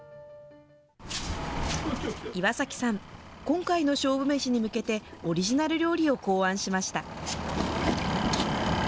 岩崎さん、今回の勝負めしに向けて、オリジナル料理を考案しました。